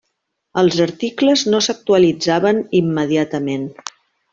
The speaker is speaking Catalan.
Els articles no s'actualitzaven immediatament.